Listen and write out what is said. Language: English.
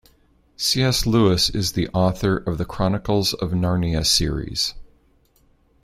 C.S. Lewis is the author of The Chronicles of Narnia series.